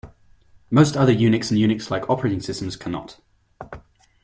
Most other Unix and Unix-like operating systems cannot.